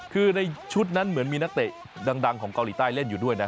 คือในชุดนั้นเหมือนมีนักเตะดังของเกาหลีใต้เล่นอยู่ด้วยนะ